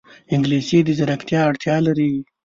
انګلیسي د ځیرکتیا اړتیا لري